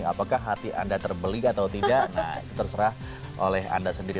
apakah hati anda terbeli atau tidak nah itu terserah oleh anda sendiri